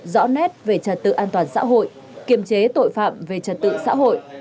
rõ nét về trật tự an toàn xã hội kiềm chế tội phạm về trật tự xã hội